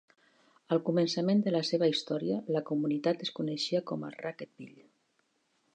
Al començament de la seva història la comunitat es coneixia com a Raquetteville.